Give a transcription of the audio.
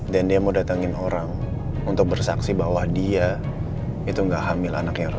dan dia mau datangin orang untuk bersaksi bahwa dia itu gak hamil anaknya roy